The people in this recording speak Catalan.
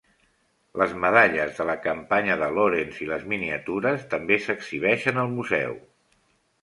Les medalles de la campanya de Lawrence i les miniatures també s'exhibeixen al museu.